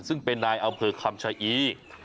ซึ่งเป็นนายอำเภอคำชะอี